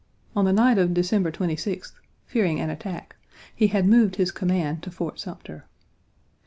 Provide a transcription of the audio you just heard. On the night of December 26th, fearing an attack, he had moved his command to Fort Sumter.